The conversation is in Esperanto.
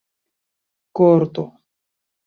korto